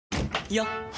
よっ！